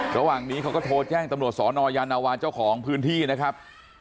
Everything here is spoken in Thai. ระหว่างนี้เขาก็โทรแจ้งตำรวจสนยานาวาเจ้าของพื้นที่นะครับ